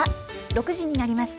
６時になりました。